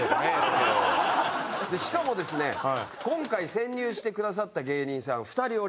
しかもですね今回潜入してくださった芸人さん２人おりまして。